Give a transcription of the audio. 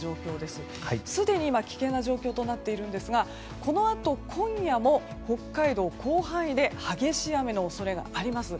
すでに危険な状況となっているんですがこのあと今夜も北海道、広範囲で激しい雨の恐れがあります。